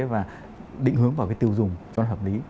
và định hướng vào cái tiêu dùng cho nó hợp lý